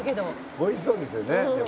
「美味しそうですよねでも」